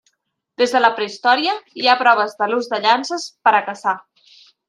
Des de la prehistòria hi ha proves de l’ús de llances per a caçar.